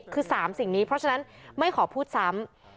คือ๓สิ่งนี้เพราะฉะนั้นไม่ขอพูดซ้ำ